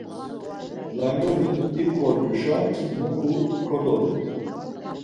Langonik ipxort̆uşa nuǩu kododu.